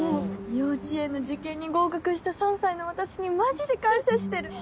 幼稚園の受験に合格した３歳の私にマジで感謝してる。